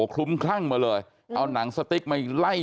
คลุ้มครั่งเราสร้างสติกไหมไหล่